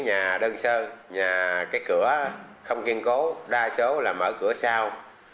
nhà đơn sơ nhà cái cửa không kiên cố đa số là mở cửa sau